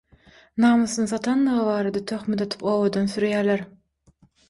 namysyny satandygy barada töhmet atyp obadan sürýäler.